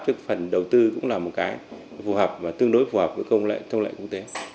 phần đầu tư cũng là một cái phù hợp và tương đối phù hợp với công lệ thông lệ quốc tế